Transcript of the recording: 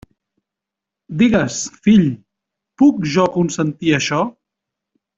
Digues, fill, puc jo consentir això?